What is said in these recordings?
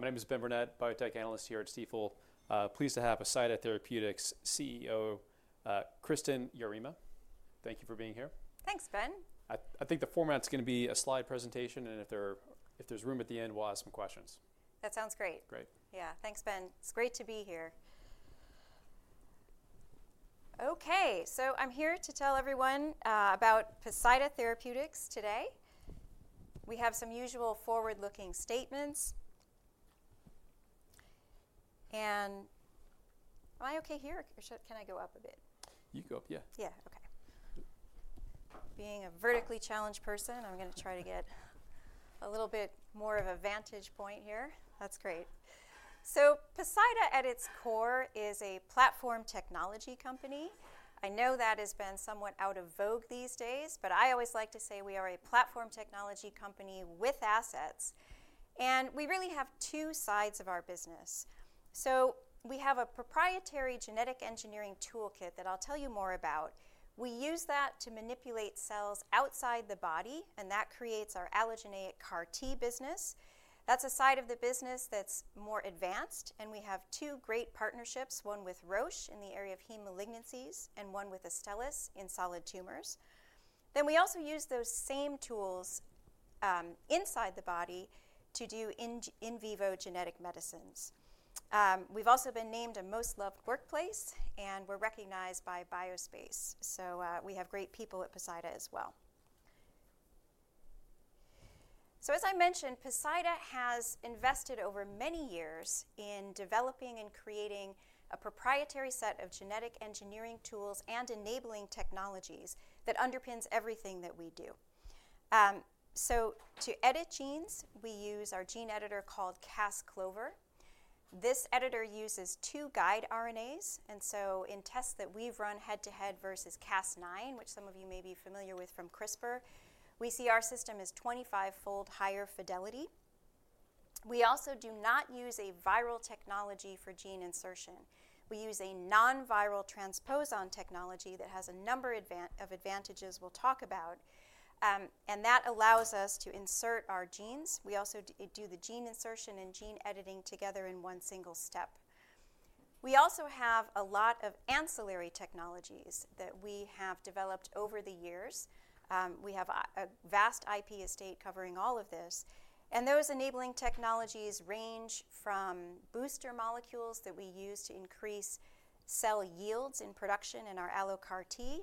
My name is Benjamin Burnett, Biotech Analyst here at Stifel. Pleased to have Poseida Therapeutics' CEO, Kristin Yarema. Thank you for being here. Thanks, Ben. I think the format's going to be a slide presentation, and if there's room at the end, we'll ask some questions. That sounds great. Great. Yeah, thanks, Ben. It's great to be here. Okay, so I'm here to tell everyone about Poseida Therapeutics today. We have some usual forward-looking statements. Am I okay here? Or can I go up a bit? You can go up, yeah. Yeah, okay. Being a vertically challenged person, I'm going to try to get a little bit more of a vantage point here. That's great, so Poseida, at its core, is a platform technology company. I know that has been somewhat out of vogue these days, but I always like to say we are a platform technology company with assets, and we really have two sides of our business. So we have a proprietary genetic engineering toolkit that I'll tell you more about. We use that to manipulate cells outside the body, and that creates our allogeneic CAR-T business. That's a side of the business that's more advanced, and we have two great partnerships, one with Roche in the area of hematologic malignancies and one with Astellas in solid tumors, then we also use those same tools inside the body to do in vivo genetic medicines. We've also been named a Most Loved Workplace, and we're recognized by BioSpace. So we have great people at Poseida as well. So, as I mentioned, Poseida has invested over many years in developing and creating a proprietary set of genetic engineering tools and enabling technologies that underpins everything that we do. So, to edit genes, we use our gene editor called Cas-CLOVER. This editor uses two guide RNAs, and so in tests that we've run head-to-head versus Cas9, which some of you may be familiar with from CRISPR, we see our system is 25-fold higher fidelity. We also do not use a viral technology for gene insertion. We use a non-viral transposon technology that has a number of advantages we'll talk about, and that allows us to insert our genes. We also do the gene insertion and gene editing together in one single step. We also have a lot of ancillary technologies that we have developed over the years. We have a vast IP estate covering all of this, and those enabling technologies range from booster molecules that we use to increase cell yields in production in our allo CAR-T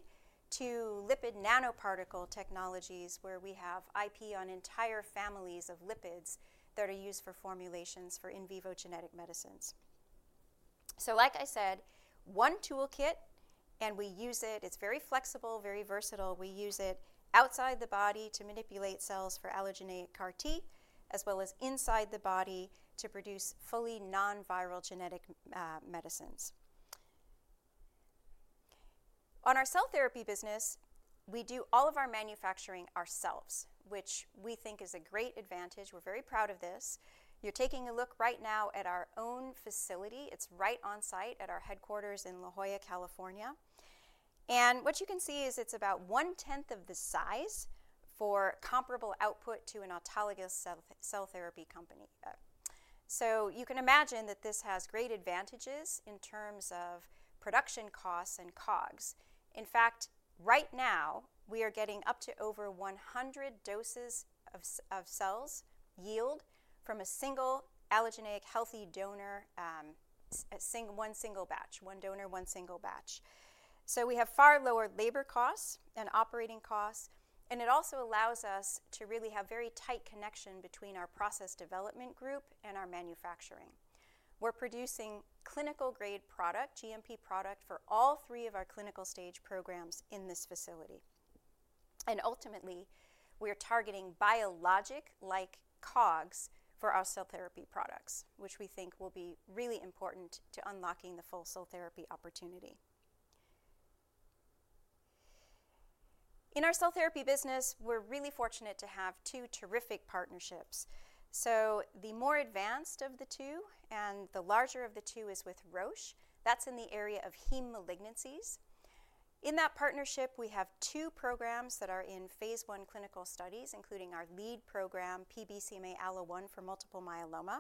to lipid nanoparticle technologies where we have IP on entire families of lipids that are used for formulations for in vivo genetic medicines, so like I said, one toolkit, and we use it. It's very flexible, very versatile. We use it outside the body to manipulate cells for allogeneic CAR-T, as well as inside the body to produce fully non-viral genetic medicines. On our cell therapy business, we do all of our manufacturing ourselves, which we think is a great advantage. We're very proud of this. You're taking a look right now at our own facility. It's right on site at our headquarters in La Jolla, California. And what you can see is it's about one-tenth of the size for comparable output to an autologous cell therapy company. So you can imagine that this has great advantages in terms of production costs and COGS. In fact, right now, we are getting up to over 100 doses of cells yield from a single allogeneic healthy donor, one single batch, one donor, one single batch. So we have far lower labor costs and operating costs, and it also allows us to really have very tight connection between our process development group and our manufacturing. We're producing clinical-grade product, GMP product, for all three of our clinical stage programs in this facility. And ultimately, we're targeting biologic-like COGS for our cell therapy products, which we think will be really important to unlocking the full cell therapy opportunity. In our cell therapy business, we're really fortunate to have two terrific partnerships. So the more advanced of the two, and the larger of the two, is with Roche. That's in the area of heme malignancies. In that partnership, we have two programs that are in phase one clinical studies, including our lead program, P-BCMA-ALLO1 for multiple myeloma.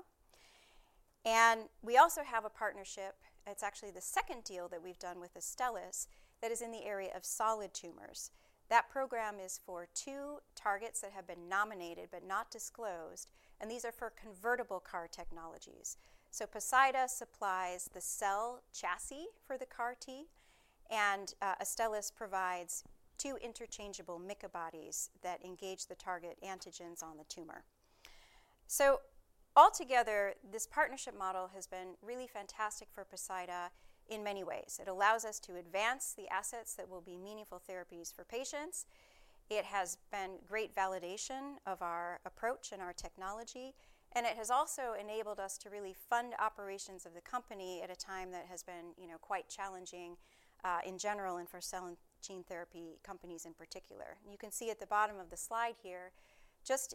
And we also have a partnership, it's actually the second deal that we've done with Astellas, that is in the area of solid tumors. That program is for two targets that have been nominated but not disclosed, and these are for convertibleCAR technologies. So Poseida supplies the cell chassis for the CAR-T, and Astellas provides two interchangeable MicAbodies that engage the target antigens on the tumor. So altogether, this partnership model has been really fantastic for Poseida in many ways. It allows us to advance the assets that will be meaningful therapies for patients. It has been great validation of our approach and our technology, and it has also enabled us to really fund operations of the company at a time that has been quite challenging in general and for cell and gene therapy companies in particular, and you can see at the bottom of the slide here, just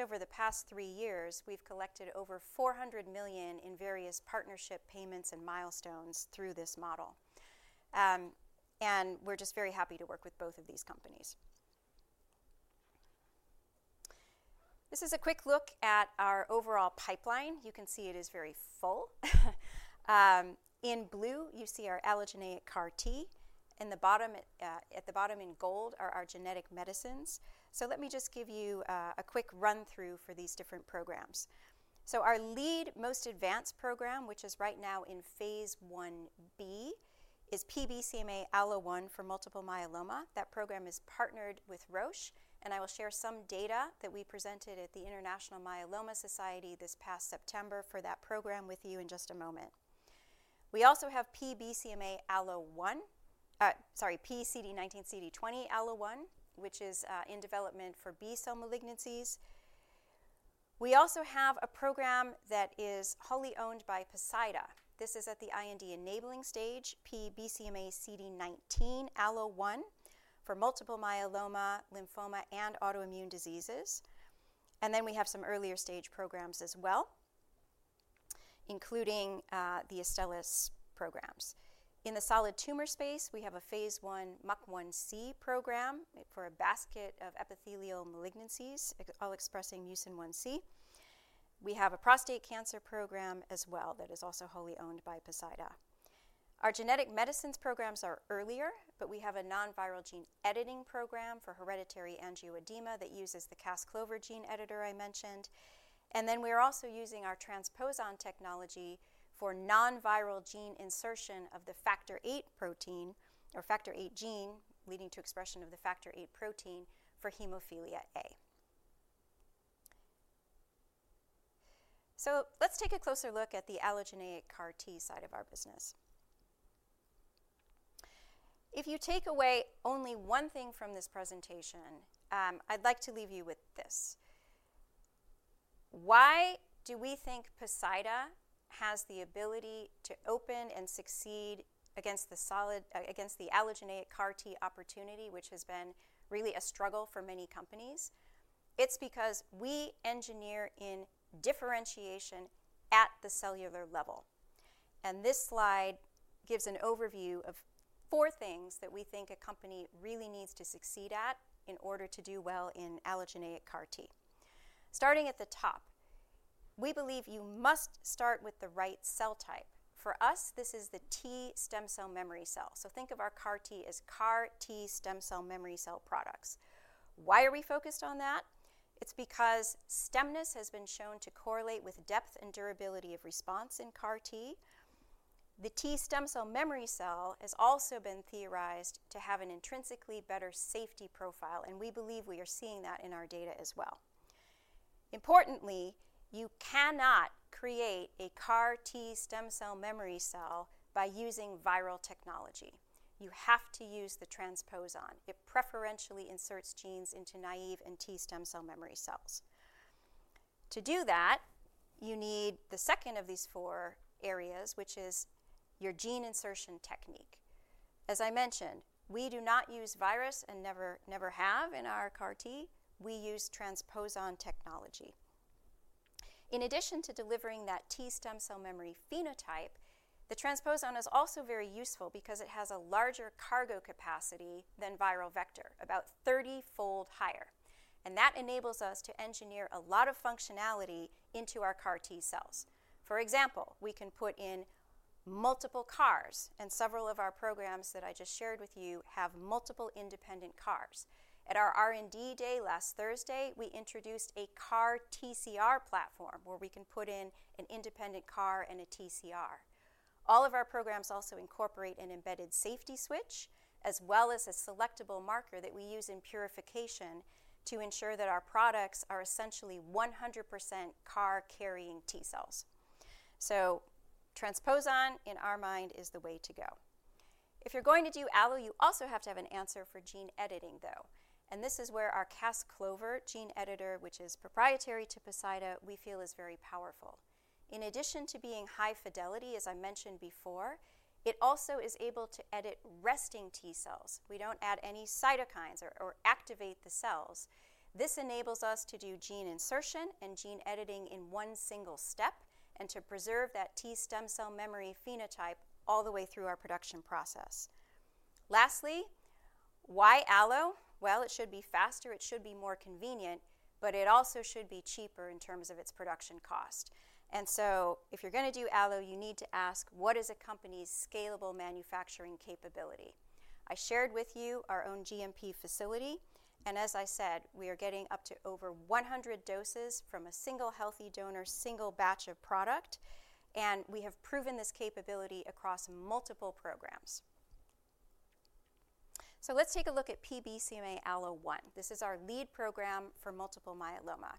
over the past three years, we've collected over $400 million in various partnership payments and milestones through this model, and we're just very happy to work with both of these companies. This is a quick look at our overall pipeline. You can see it is very full. In blue, you see our allogeneic CAR-T. At the bottom in gold are our genetic medicines, so let me just give you a quick run-through for these different programs. So our lead, most advanced program, which is right now in Phase 1B, is P-BCMA-ALLO1 for multiple myeloma. That program is partnered with Roche, and I will share some data that we presented at the International Myeloma Society this past September for that program with you in just a moment. We also have P-BCMA-ALLO1, sorry, P-CD19CD20-ALLO1, which is in development for B-cell malignancies. We also have a program that is wholly owned by Poseida. This is at the IND enabling stage, P-BCMACD19-ALLO1 for multiple myeloma, lymphoma, and autoimmune diseases. And then we have some earlier stage programs as well, including the Astellas programs. In the solid tumor space, we have a Phase I MUC1-C program for a basket of epithelial malignancies, all expressing MUC1-C. We have a prostate cancer program as well that is also wholly owned by Poseida. Our genetic medicines programs are earlier, but we have a non-viral gene editing program for hereditary angioedema that uses the Cas-CLOVER gene editor I mentioned. And then we are also using our transposon technology for non-viral gene insertion of the Factor VIII protein, or Factor VIII gene, leading to expression of the Factor VIII protein for hemophilia A. So let's take a closer look at the allogeneic CAR-T side of our business. If you take away only one thing from this presentation, I'd like to leave you with this. Why do we think Poseida has the ability to open and succeed against the allogeneic CAR-T opportunity, which has been really a struggle for many companies? It's because we engineer in differentiation at the cellular level. This slide gives an overview of four things that we think a company really needs to succeed at in order to do well in allogeneic CAR-T. Starting at the top, we believe you must start with the right cell type. For us, this is the T stem cell memory cell. So think of our CAR-T as CAR-T stem cell memory cell products. Why are we focused on that? It's because stemness has been shown to correlate with depth and durability of response in CAR-T. The T stem cell memory cell has also been theorized to have an intrinsically better safety profile, and we believe we are seeing that in our data as well. Importantly, you cannot create a CAR-T stem cell memory cell by using viral technology. You have to use the transposon. It preferentially inserts genes into naive and T stem cell memory cells. To do that, you need the second of these four areas, which is your gene insertion technique. As I mentioned, we do not use virus and never have in our CAR-T. We use transposon technology. In addition to delivering that T stem cell memory phenotype, the transposon is also very useful because it has a larger cargo capacity than viral vector, about 30-fold higher. And that enables us to engineer a lot of functionality into our CAR-T cells. For example, we can put in multiple CARs, and several of our programs that I just shared with you have multiple independent CARs. At our R&D day last Thursday, we introduced a CAR-TCR platform where we can put in an independent CAR and a TCR. All of our programs also incorporate an embedded safety switch, as well as a selectable marker that we use in purification to ensure that our products are essentially 100% CAR-carrying T cells. So transposon, in our mind, is the way to go. If you're going to do allo, you also have to have an answer for gene editing, though. And this is where our Cas-CLOVER gene editor, which is proprietary to Poseida, we feel is very powerful. In addition to being high fidelity, as I mentioned before, it also is able to edit resting T cells. We don't add any cytokines or activate the cells. This enables us to do gene insertion and gene editing in one single step and to preserve that T stem cell memory phenotype all the way through our production process. Lastly, why allo? It should be faster, it should be more convenient, but it also should be cheaper in terms of its production cost. If you're going to do allo, you need to ask, what is a company's scalable manufacturing capability? I shared with you our own GMP facility, and as I said, we are getting up to over 100 doses from a single healthy donor, single batch of product, and we have proven this capability across multiple programs. Let's take a look at P-BCMA-ALLO1. This is our lead program for multiple myeloma.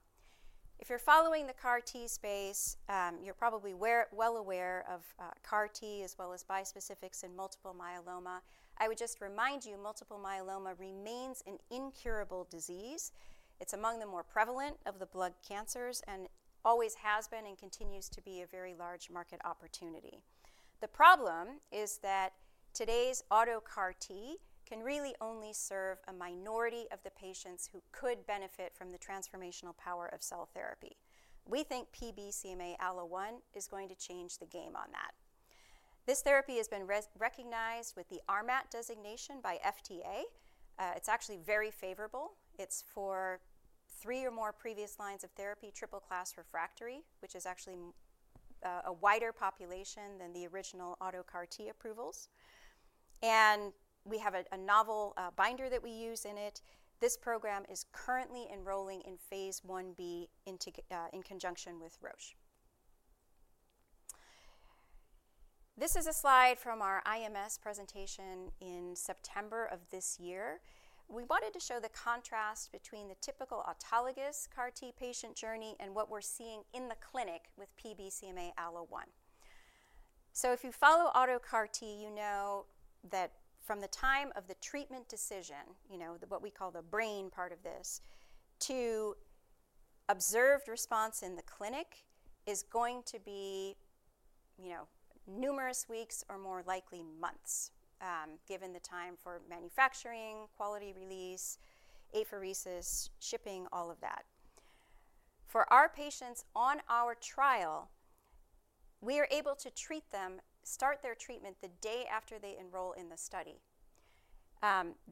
If you're following the CAR-T space, you're probably well aware of CAR-T as well as bispecifics and multiple myeloma. I would just remind you, multiple myeloma remains an incurable disease. It's among the more prevalent of the blood cancers and always has been and continues to be a very large market opportunity. The problem is that today's auto CAR-T can really only serve a minority of the patients who could benefit from the transformational power of cell therapy. We think P-BCMA-ALLO1 is going to change the game on that. This therapy has been recognized with the RMAT designation by FDA. It's actually very favorable. It's for three or more previous lines of therapy, triple-class refractory, which is actually a wider population than the original auto CAR-T approvals. And we have a novel binder that we use in it. This program is currently enrolling in Phase 1B in conjunction with Roche. This is a slide from our IMS presentation in September of this year. We wanted to show the contrast between the typical autologous CAR-T patient journey and what we're seeing in the clinic with P-BCMA-ALLO1. So if you follow autologous CAR-T, you know that from the time of the treatment decision, what we call the bridging part of this, to observed response in the clinic is going to be numerous weeks or more likely months, given the time for manufacturing, quality release, apheresis, shipping, all of that. For our patients on our trial, we are able to treat them, start their treatment the day after they enroll in the study.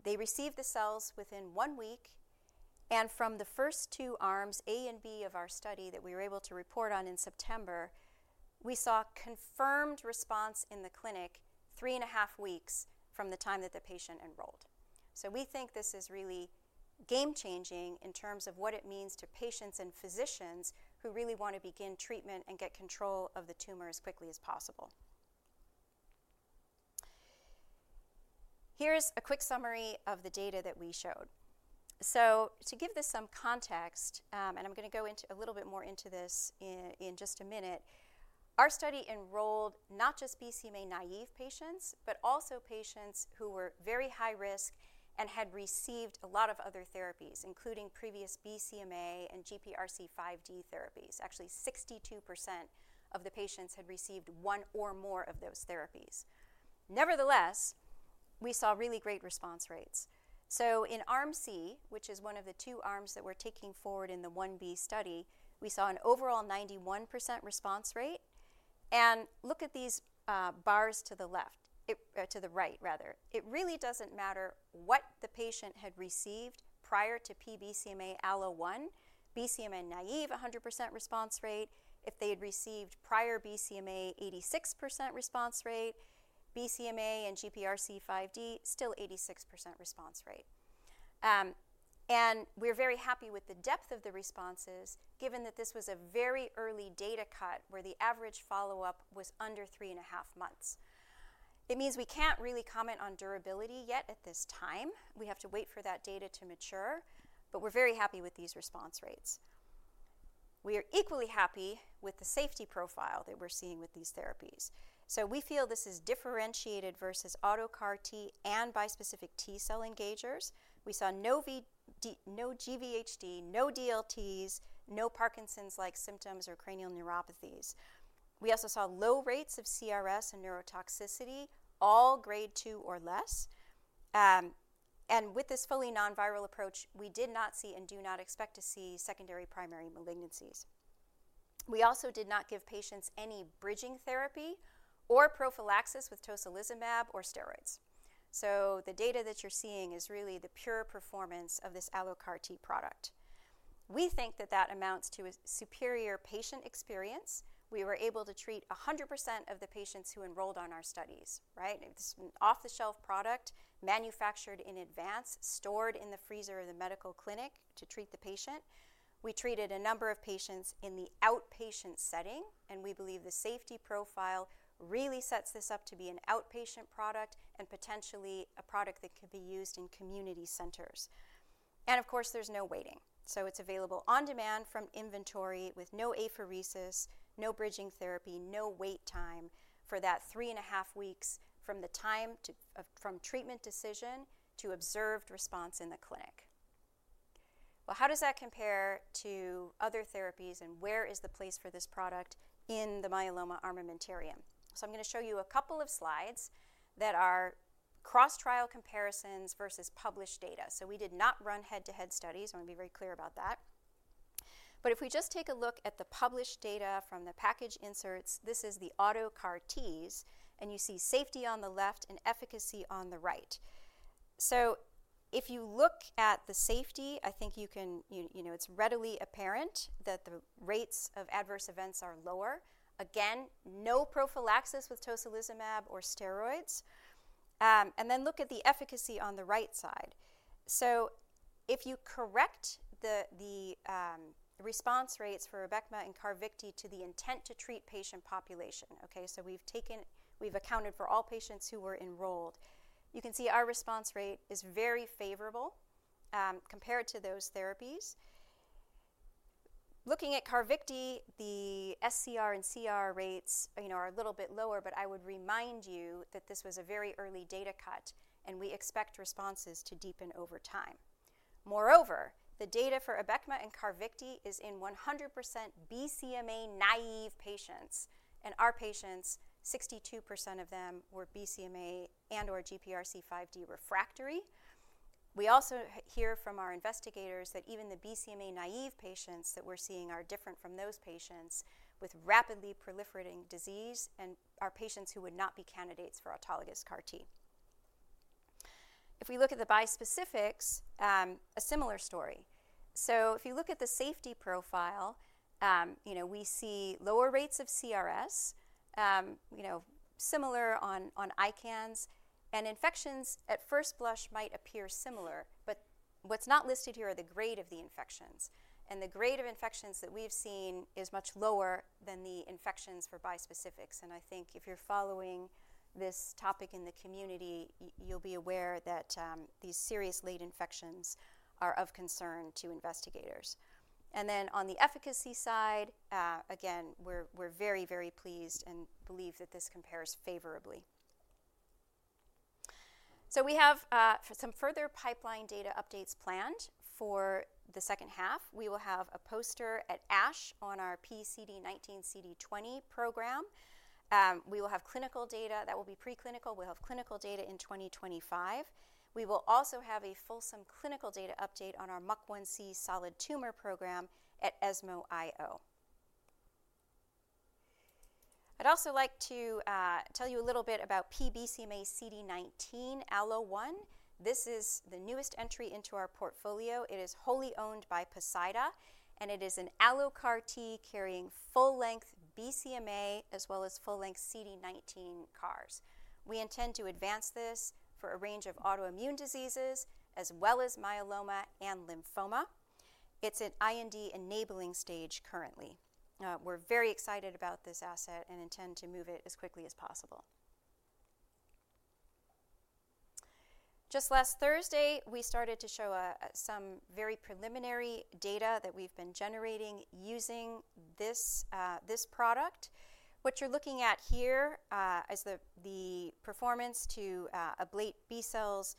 They receive the cells within one week, and from the first two arms, A and B of our study that we were able to report on in September, we saw confirmed response in the clinic three and a half weeks from the time that the patient enrolled. We think this is really game-changing in terms of what it means to patients and physicians who really want to begin treatment and get control of the tumor as quickly as possible. Here's a quick summary of the data that we showed. To give this some context, and I'm going to go into a little bit more into this in just a minute, our study enrolled not just BCMA naive patients, but also patients who were very high risk and had received a lot of other therapies, including previous BCMA and GPRC5D therapies. Actually, 62% of the patients had received one or more of those therapies. Nevertheless, we saw really great response rates. In arm C, which is one of the two arms that we're taking forward in the 1B study, we saw an overall 91% response rate. Look at these bars to the left, to the right, rather. It really doesn't matter what the patient had received prior to P-BCMA-ALLO1. BCMA naive 100% response rate. If they had received prior BCMA, 86% response rate. BCMA and GPRC5D, still 86% response rate. We're very happy with the depth of the responses, given that this was a very early data cut where the average follow-up was under three and a half months. It means we can't really comment on durability yet at this time. We have to wait for that data to mature, but we're very happy with these response rates. We are equally happy with the safety profile that we're seeing with these therapies. We feel this is differentiated versus auto CAR-T and bispecific T-cell engagers. We saw no GVHD, no DLTs, no Parkinson's-like symptoms or cranial neuropathies. We also saw low rates of CRS and neurotoxicity, all Grade 2 or less. With this fully non-viral approach, we did not see and do not expect to see secondary primary malignancies. We also did not give patients any bridging therapy or prophylaxis with tocilizumab or steroids. The data that you're seeing is really the pure performance of this auto CAR-T product. We think that that amounts to a superior patient experience. We were able to treat 100% of the patients who enrolled on our studies. This is an off-the-shelf product, manufactured in advance, stored in the freezer of the medical clinic to treat the patient. We treated a number of patients in the outpatient setting, and we believe the safety profile really sets this up to be an outpatient product and potentially a product that could be used in community centers. Of course, there's no waiting. It's available on demand from inventory with no apheresis, no bridging therapy, no wait time for that three and a half weeks from treatment decision to observed response in the clinic. How does that compare to other therapies and where is the place for this product in the myeloma armamentarium? I'm going to show you a couple of slides that are cross-trial comparisons versus published data. We did not run head-to-head studies. I want to be very clear about that. If we just take a look at the published data from the package inserts, this is the auto CAR-Ts, and you see safety on the left and efficacy on the right. If you look at the safety, I think you can see it's readily apparent that the rates of adverse events are lower. Again, no prophylaxis with Tocilizumab or steroids. And then look at the efficacy on the right side. So if you correct the response rates for Abecma and Cavykti to the intent to treat patient population, okay, so we've accounted for all patients who were enrolled, you can see our response rate is very favorable compared to those therapies. Looking at Carvykti, the SCR and CR rates are a little bit lower, but I would remind you that this was a very early data cut, and we expect responses to deepen over time. Moreover, the data for Abecma and Carvykti is in 100% BCMA naive patients, and our patients, 62% of them were BCMA and/or GPRC5D refractory. We also hear from our investigators that even the BCMA naive patients that we're seeing are different from those patients with rapidly proliferating disease and are patients who would not be candidates for autologous CAR-T. If we look at the bispecifics, a similar story. So if you look at the safety profile, we see lower rates of CRS, similar on ICANS, and infections at first blush might appear similar, but what's not listed here are the grade of the infections. And the grade of infections that we've seen is much lower than the infections for bispecifics. And I think if you're following this topic in the community, you'll be aware that these serious late infections are of concern to investigators. And then on the efficacy side, again, we're very, very pleased and believe that this compares favorably. So we have some further pipeline data updates planned for the second half. We will have a poster at ASH on our P-CD19, CD-20 program. We will have clinical data that will be preclinical. We'll have clinical data in 2025. We will also have a fulsome clinical data update on our MUC1-C solid tumor program at ESMO IO. I'd also like to tell you a little bit about P-BCMA-CD19-ALLO1. This is the newest entry into our portfolio. It is wholly owned by Poseida, and it is an allo CAR-T carrying full-length BCMA as well as full-length CD19 CARs. We intend to advance this for a range of autoimmune diseases as well as myeloma and lymphoma. It's an IND-enabling stage currently. We're very excited about this asset and intend to move it as quickly as possible. Just last Thursday, we started to show some very preliminary data that we've been generating using this product. What you're looking at here is the performance to ablate B cells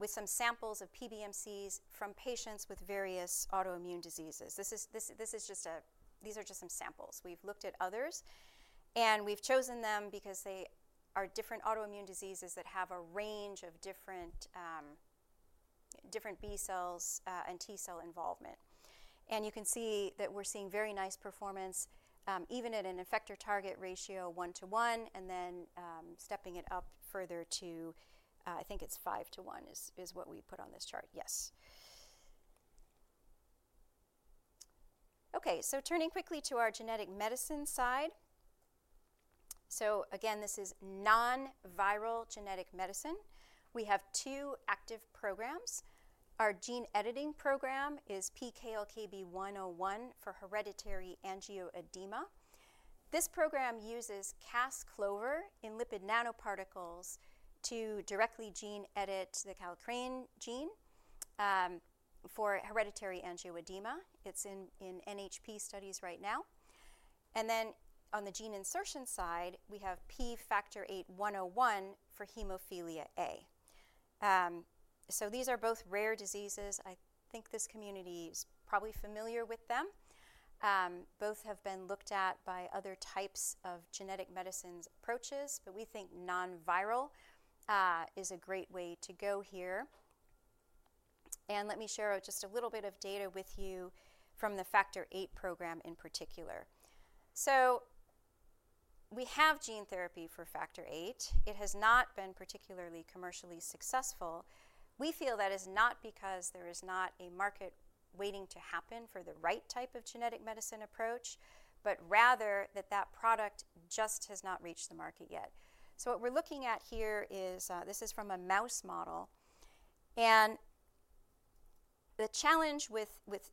with some samples of PBMCs from patients with various autoimmune diseases. This is just—these are just some samples. We've looked at others, and we've chosen them because they are different autoimmune diseases that have a range of different B cells and T cell involvement. You can see that we're seeing very nice performance, even at an effector target ratio one to one, and then stepping it up further to, I think it's five to one is what we put on this chart. Yes. Okay, turning quickly to our genetic medicine side. Again, this is non-viral genetic medicine. We have two active programs. Our gene editing program is P-KLKB1-101 for hereditary angioedema. This program uses Cas-CLOVER in lipid nanoparticles to directly gene edit the KLKB1 gene for hereditary angioedema. It's in NHP studies right now. On the gene insertion side, we have P-FVIII-101 for hemophilia A. These are both rare diseases. I think this community is probably familiar with them. Both have been looked at by other types of genetic medicines approaches, but we think non-viral is a great way to go here. And let me share just a little bit of data with you from the Factor VIII program in particular. So we have gene therapy for Factor VIII. It has not been particularly commercially successful. We feel that is not because there is not a market waiting to happen for the right type of genetic medicine approach, but rather that that product just has not reached the market yet. So what we're looking at here is this is from a mouse model. And the challenge with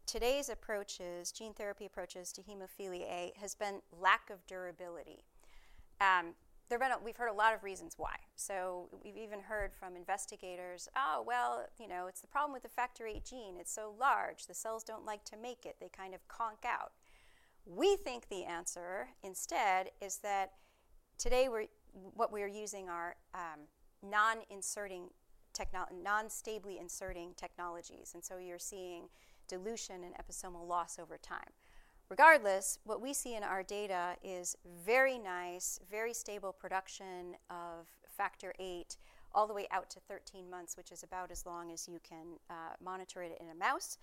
today's approaches, gene therapy approaches to hemophilia A, has been lack of durability. We've heard a lot of reasons why. So we've even heard from investigators, "Oh, well, it's the problem with the Factor VIII gene. It's so large. The cells don't like to make it. They kind of conk out." We think the answer instead is that today what we are using are non-inserting, non-stably inserting technologies, and so you're seeing dilution and episomal loss over time. Regardless, what we see in our data is very nice, very stable production of Factor VIII all the way out to 13 months, which is about as long as you can monitor it in a mouse,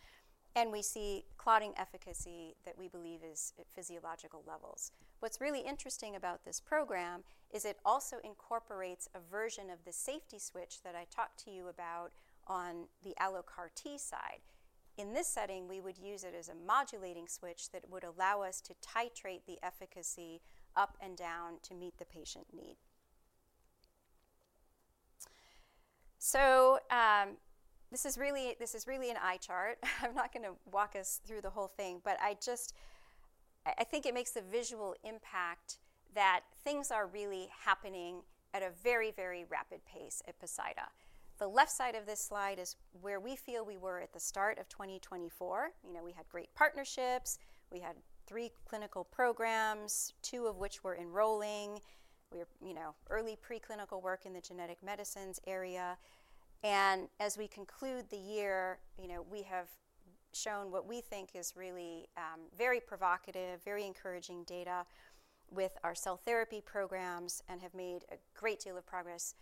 and we see clotting efficacy that we believe is at physiological levels. What's really interesting about this program is it also incorporates a version of the safety switch that I talked to you about on the auto CAR-T side. In this setting, we would use it as a modulating switch that would allow us to titrate the efficacy up and down to meet the patient need, so this is really an eye chart. I'm not going to walk us through the whole thing, but I think it makes a visual impact that things are really happening at a very, very rapid pace at Poseida. The left side of this slide is where we feel we were at the start of 2024. We had great partnerships. We had three clinical programs, two of which were enrolling. We were early preclinical work in the genetic medicines area, and as we conclude the year, we have shown what we think is really very provocative, very encouraging data with our cell therapy programs and have made a great deal of progress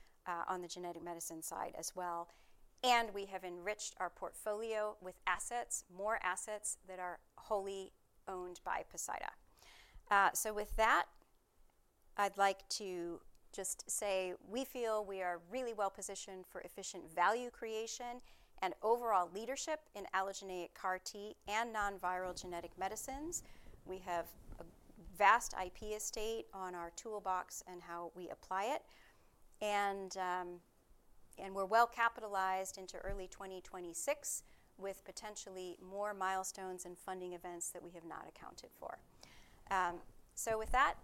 on the genetic medicine side as well, and we have enriched our portfolio with assets, more assets that are wholly owned by Poseida. So with that, I'd like to just say we feel we are really well positioned for efficient value creation and overall leadership in allogeneic CAR-T and non-viral genetic medicines. We have a vast IP estate on our toolbox and how we apply it. And we're well capitalized into early 2026 with potentially more milestones and funding events that we have not accounted for. So with that,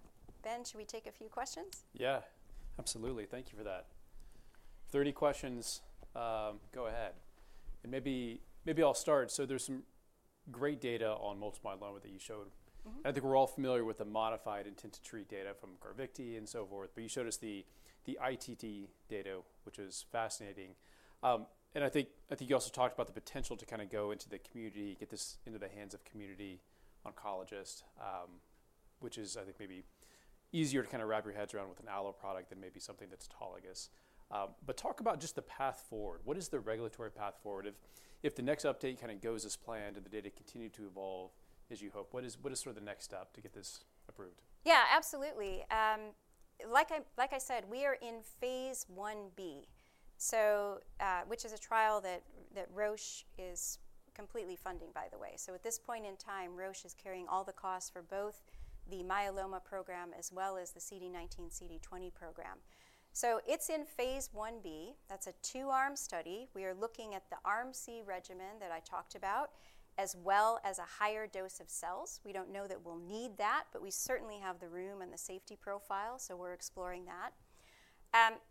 Ben, should we take a few questions? Yeah, absolutely. Thank you for that. 30 questions. Go ahead. And maybe I'll start. So there's some great data on multiple myeloma that you showed. I think we're all familiar with the modified intent to treat data from CARVYKTI and so forth, but you showed us the ITT data, which is fascinating. And I think you also talked about the potential to kind of go into the community, get this into the hands of community oncologists, which is, I think, maybe easier to kind of wrap your heads around with an allo product than maybe something that's autologous. But talk about just the path forward. What is the regulatory path forward? If the next update kind of goes as planned and the data continued to evolve as you hope, what is sort of the next step to get this approved? Yeah, absolutely. Like I said, we are in phase 1B, which is a trial that Roche is completely funding, by the way. So at this point in time, Roche is carrying all the costs for both the myeloma program as well as the CD19, CD20 program. So it's in Phase 1B. That's a two-arm study. We are looking at the ARMC regimen that I talked about as well as a higher dose of cells. We don't know that we'll need that, but we certainly have the room and the safety profile, so we're exploring that.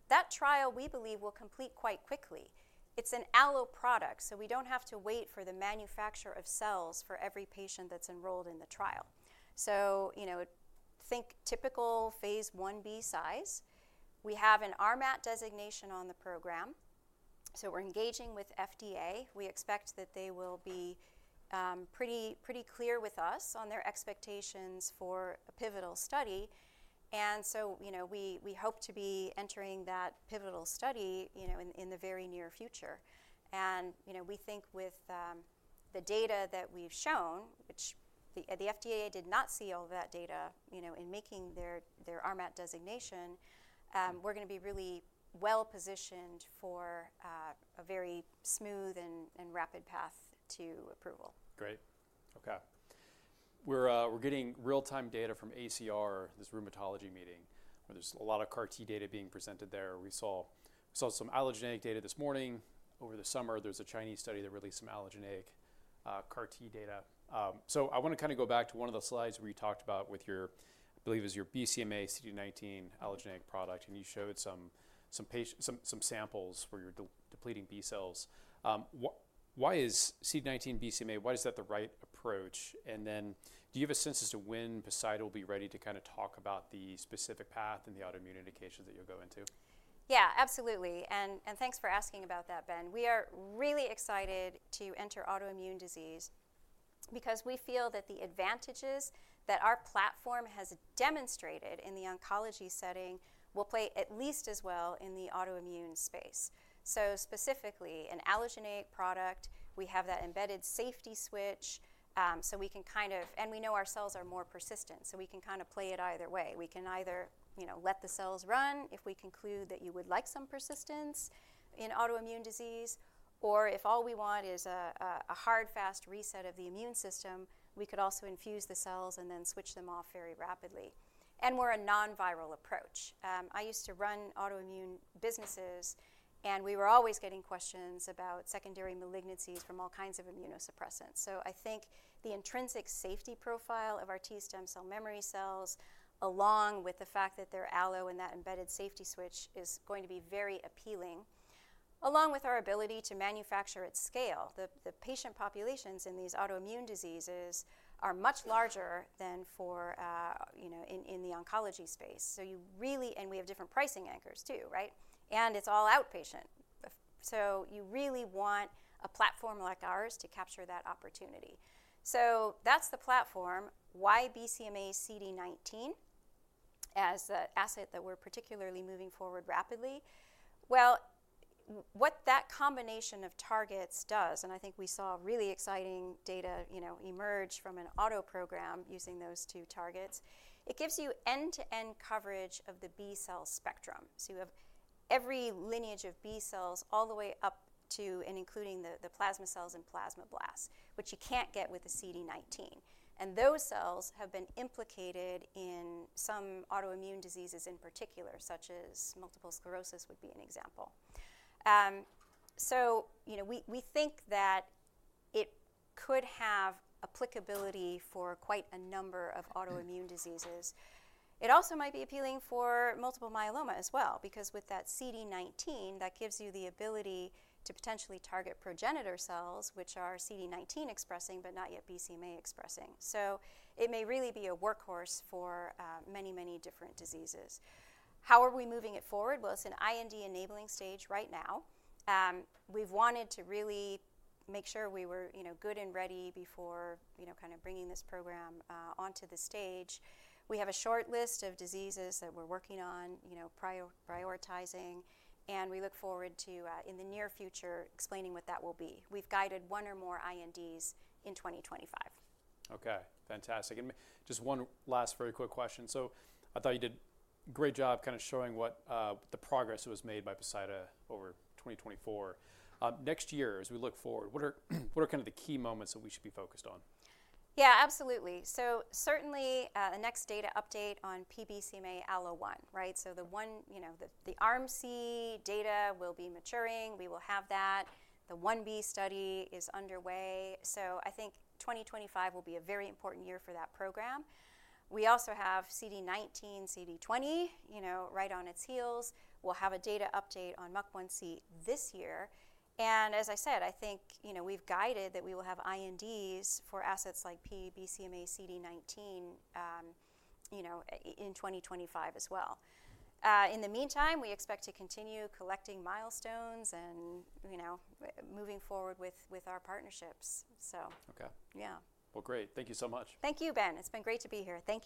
That trial we believe will complete quite quickly. It's an auto product, so we don't have to wait for the manufacturer of cells for every patient that's enrolled in the trial. So think typical Phase 1B size. We have an RMAT designation on the program. So we're engaging with FDA. We expect that they will be pretty clear with us on their expectations for a pivotal study. And so we hope to be entering that pivotal study in the very near future. And we think with the data that we've shown, which the FDA did not see all that data in making their RMAT designation, we're going to be really well positioned for a very smooth and rapid path to approval. Great. Okay. We're getting real-time data from ACR, this rheumatology meeting, where there's a lot of CAR-T data being presented there. We saw some allogeneic data this morning. Over the summer, there's a Chinese study that released some allogeneic CAR-T data. So I want to kind of go back to one of the slides where you talked about with your, I believe it was your BCMACD19 allogeneic product, and you showed some samples where you're depleting B cells. Why is CD19 BCMA, why is that the right approach? And then do you have a sense as to when Poseida will be ready to kind of talk about the specific path and the autoimmune indications that you'll go into? Yeah, absolutely. And thanks for asking about that, Ben. We are really excited to enter autoimmune disease because we feel that the advantages that our platform has demonstrated in the oncology setting will play at least as well in the autoimmune space. So specifically, an allogeneic product, we have that embedded safety switch, so we can kind of, and we know our cells are more persistent, so we can kind of play it either way. We can either let the cells run if we conclude that you would like some persistence in autoimmune disease, or if all we want is a hard, fast reset of the immune system, we could also infuse the cells and then switch them off very rapidly. And we're a non-viral approach. I used to run autoimmune businesses, and we were always getting questions about secondary malignancies from all kinds of immunosuppressants. I think the intrinsic safety profile of our T stem cell memory cells, along with the fact that they're auto and that embedded safety switch is going to be very appealing, along with our ability to manufacture at scale. The patient populations in these autoimmune diseases are much larger than in the oncology space. You really, and we have different pricing anchors too, right? And it's all outpatient. You really want a platform like ours to capture that opportunity. That's the platform. Why BCMACD19 as the asset that we're particularly moving forward rapidly? What that combination of targets does, and I think we saw really exciting data emerge from an auto program using those two targets, it gives you end-to-end coverage of the B cell spectrum. You have every lineage of B cells all the way up to and including the plasma cells and plasma blasts, which you can't get with the CD19. Those cells have been implicated in some autoimmune diseases in particular, such as multiple sclerosis, which would be an example. We think that it could have applicability for quite a number of autoimmune diseases. It also might be appealing for multiple myeloma as well, because with that CD19, that gives you the ability to potentially target progenitor cells, which are CD19 expressing, but not yet BCMA expressing. It may really be a workhorse for many, many different diseases. How are we moving it forward? It is an IND-enabling stage right now. We have wanted to really make sure we were good and ready before kind of bringing this program onto the stage. We have a short list of diseases that we're working on prioritizing, and we look forward to, in the near future, explaining what that will be. We've guided one or more INDs in 2025. Okay. Fantastic. And just one last very quick question. So I thought you did a great job kind of showing what the progress was made by Poseida over 2024. Next year, as we look forward, what are kind of the key moments that we should be focused on? Yeah, absolutely. So certainly the next data update on P-BCMA-ALLO1, right? So the RMAT data will be maturing. We will have that. The 1B study is underway. So I think 2025 will be a very important year for that program. We also have CD19, CD20 right on its heels. We'll have a data update on MUC1C this year. And as I said, I think we've guided that we will have INDs for assets like P-BCMACD19 in 2025 as well. In the meantime, we expect to continue collecting milestones and moving forward with our partnerships. So, yeah. Okay. Well, great. Thank you so much. Thank you, Ben. It's been great to be here. Thank you.